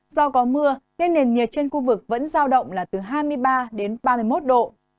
do có mưa nên nền nhiệt trên khu vực vẫn giao động là từ hai mươi ba đến ba mươi một độ